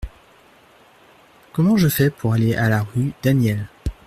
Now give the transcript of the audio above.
Comment je fais pour aller à la rue Daniel ?